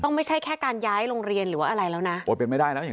ไม่ใช่แค่การย้ายโรงเรียนหรือว่าอะไรแล้วนะโอ้ยเป็นไม่ได้แล้วอย่าง